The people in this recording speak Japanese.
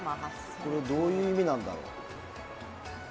それ、どういう意味なんだろう。